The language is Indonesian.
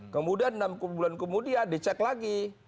kemudian enam bulan kemudian dicek lagi